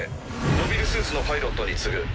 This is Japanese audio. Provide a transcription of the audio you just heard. モビルスーツのパイロットに告ぐ。